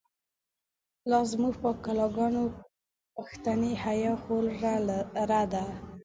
لازموږ په کلاګانو، پښتنی حیا خو ره ده